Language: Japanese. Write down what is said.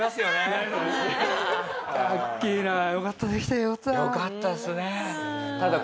よかったできた。